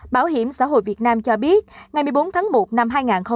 bảo hiểm xã hội việt nam cho biết ngày một mươi bốn tháng một năm hai nghìn hai mươi